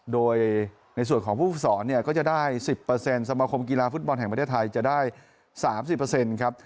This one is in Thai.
โดยในส่วนของผู้ฝึกศรเนี่ยก็จะได้๑๐สมาคมกีฬาฟุตบอลแห่งประเทศไทยจะได้๓๐ครับ